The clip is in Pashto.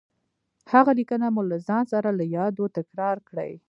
هغه ليکنه مو له ځان سره له يادو تکرار کړئ.